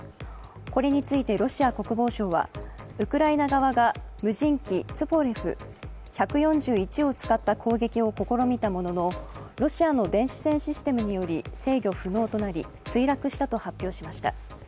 これについてロシア国防省はウクライナ側が無人機ツポレフ１４１を使った攻撃を試みたものの、ロシアの電子戦システムにより制御不能となり墜落したと発表しました。